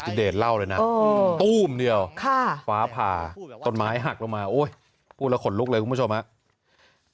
เดชเล่าเลยนะตู้มเดียวฟ้าผ่าต้นไม้หักลงมาโอ้ยพูดแล้วขนลุกเลยคุณผู้ชมครับ